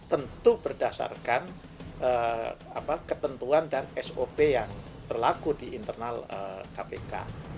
tentu berdasarkan ketentuan dan sop yang berlaku di internal kpk